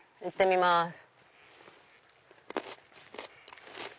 行ってみます。